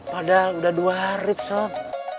padahal udah dua hari soft